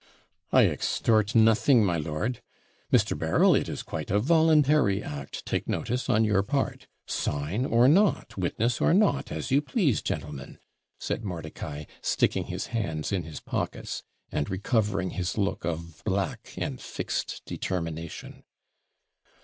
'I extort nothing, my lord. Mr. Berryl, it is quite a voluntary act, take notice, on your part; sign or not, witness or not, as you please, gentlemen,' said Mordicai, sticking his hands in his pockets, and recovering his look of black and fixed determination.